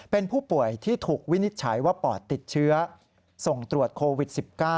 เป็นผู้ป่วยที่ถูกวินิจฉัยว่าปอดติดเชื้อส่งตรวจโควิด๑๙